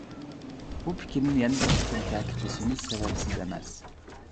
بۇ پىكىرنى يەنە بىر قېتىم تەكىتلىشىمىز سەۋەبسىز ئەمەس.